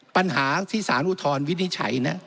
ปัญหาที่สารอุทธรณวินิจฉัย